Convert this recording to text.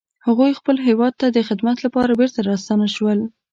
هغوی خپل هیواد ته د خدمت لپاره بیرته راستانه شول